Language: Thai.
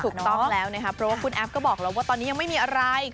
ถูกต้องแล้วนะครับเพราะว่าคุณแอฟก็บอกแล้วว่าตอนนี้ยังไม่มีอะไร